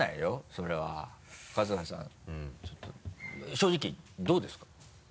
正直どうですか？